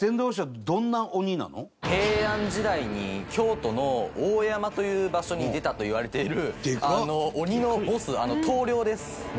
平安時代に京都の大江山という場所に出たといわれている鬼のボス頭領です。